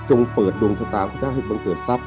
เปิดดวงชะตาพระเจ้าให้บังเกิดทรัพย